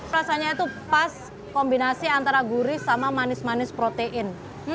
rasanya itu pas kombinasi antara gurih sama manis manis protein